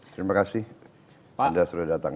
terima kasih anda sudah datang